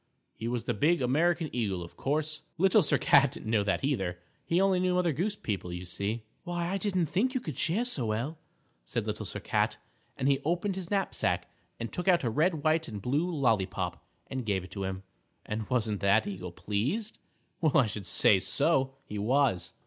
He was the big American Eagle, only, of course, Little Sir Cat didn't know that either; he only knew Mother Goose people, you see. "Why, I didn't think you could cheer so well," said Little Sir Cat, and he opened his knapsack and took out a red, white and blue lollypop and gave it to him, and wasn't that eagle pleased? Well, I should say he was.